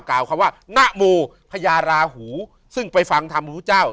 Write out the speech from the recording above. กล่าวคำว่านโมพญาราหูซึ่งไปฟังธรรมพระพุทธเจ้า